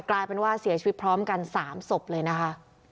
กลายเป็นว่าเสียชีวิตพร้อมกัน๓ศพเลยนะคะ